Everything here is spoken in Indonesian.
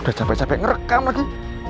udah capek capek ngerekam lagi